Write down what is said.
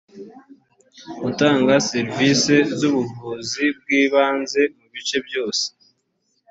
gutanga serivisi z ubuvuzi bw ibanze mu bice byose